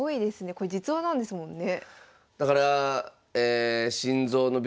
これ実話なんですもんね。